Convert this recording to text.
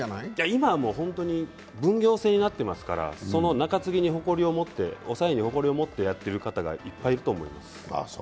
今は本当に分業制になってますから中継ぎに誇りを持って、抑えに誇りを持ってやっている方がいっぱいいると思います。